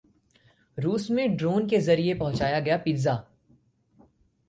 रूस में ड्रोन के जरिए पहुंचाया गया पिज्जा